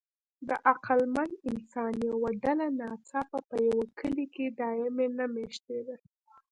د عقلمن انسان یوه ډله ناڅاپه په یوه کلي کې دایمي نه مېشتېده.